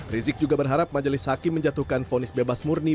rizik juga berharap majelis hakim menjatuhkan fonis bebas murni